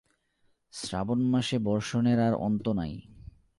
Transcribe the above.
শ্রাবণমাসে বর্ষণের আর অন্ত নাই।